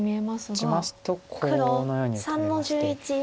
こう打ちますとこのように打たれまして。